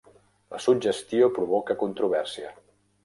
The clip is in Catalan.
La suggestió provoca controvèrsia.